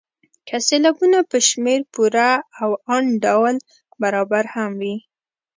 که سېلابونه په شمېر پوره او انډول برابر هم وي.